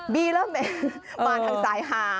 บี้เริ่มมาทั้งสายฮา